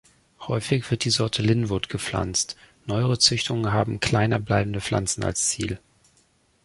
Häufig wird die Sorte "Lynwood" gepflanzt; neuere Züchtungen haben kleiner bleibende Pflanzen als Ziel.